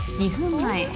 前